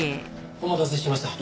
お待たせしました。